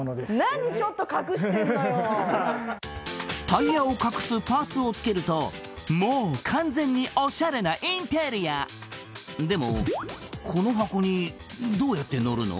タイヤを隠すパーツをつけるともう完全にオシャレなインテリアでもこの箱にどうやって乗るの？